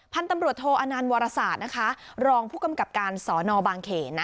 พันธ์ตำรวจโทอานานวรษาตรรองผู้กำกับการสนบางเขน